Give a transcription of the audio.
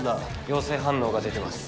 陽性反応が出てます。